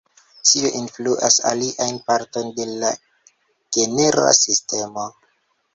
Tio influas aliajn partojn de la genera sistemo.